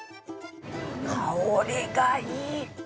香りがいい！